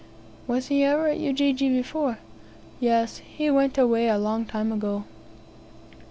"Was he ever at Ujiji before?" "Yes, he went away a long time ago."